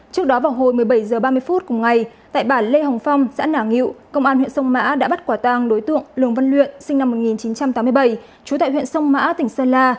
trước đó vào hồi một mươi bảy h ba mươi cùng ngày tại bản lê hồng phong giãn nả nghiệu công an huyện sông mã đã bắt quả tàng đối tượng lường vân luyện sinh năm một nghìn chín trăm tám mươi bảy trú tại huyện sông mã tỉnh sơn la